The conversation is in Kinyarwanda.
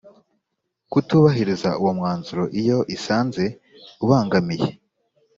kutubahiriza uwo mwanzuro iyo isanze ubangamiye